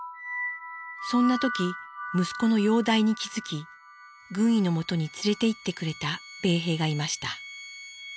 そんな時息子の容体に気付き軍医のもとに連れていってくれた米兵がいました。